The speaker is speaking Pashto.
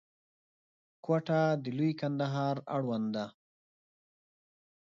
کوټه د لوی کندهار اړوند ده.